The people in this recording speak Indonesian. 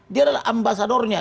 dia adalah ambasadornya